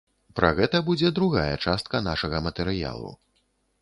Пра гэта будзе другая частка нашага матэрыялу.